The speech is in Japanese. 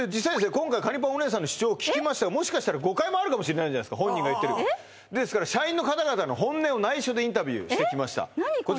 今回かにぱんお姉さんの主張を聞きましたがもしかしたら誤解もあるかもしれない本人が言ってるですから社員の方々の本音を内緒でインタビューしてきました何これ？